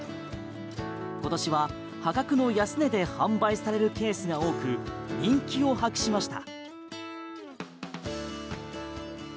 今年は破格の安値で販売されるケースが多く人気を博しました。